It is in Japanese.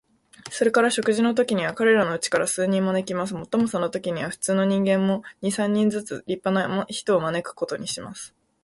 それから食事のときには、彼等のうちから数人招きます。もっともそのときには、普通の人間も、二三人ずつ立派な人を招くことにします。